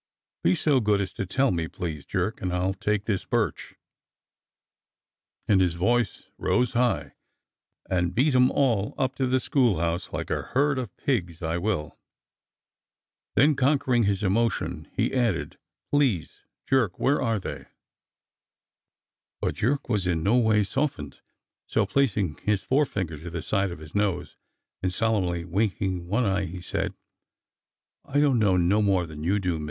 "Be so good as to tell me, please. Jerk, and I'll take this birch" (and his voice rose high) "and beat 'em all up to the schoolhouse like a herd of pigs, I will !" Then conquering his emotion, he added : "Please, Jerk, where are they?'* THE COURT HOUSE INQUIRY 79 But Jerk was in no way softened, so placing his fore finger to the side of his nose and solemnly winking one eye, he said: *'I don't know no more than you do.